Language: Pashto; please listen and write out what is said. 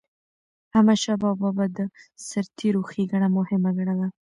احمدشاه بابا به د سرتيرو ښيګڼه مهمه ګڼله.